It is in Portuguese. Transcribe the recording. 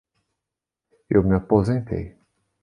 Eu me aposentei.